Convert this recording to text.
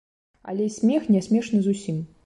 Але смех не смешны зусім.